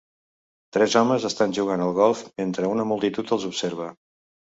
Tres homes estan jugant al golf mentre una multitud els observa.